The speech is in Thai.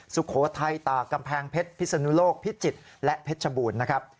สุโขทัยตากกำแพงเพชรพิศนุโลกพิจิตรและเพชรบูรณ์นะครับ